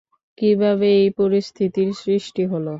কীভাবে এই পরিস্থিতির সৃষ্টি হলো?